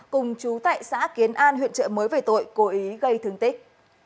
cùng chú tại xã kiến an huyện trợ mới về tội cố ý gây thương tích